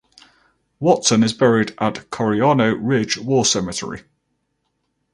Watson is buried at Coriano Ridge War Cemetery.